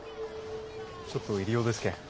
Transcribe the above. ちょっと入り用ですけん。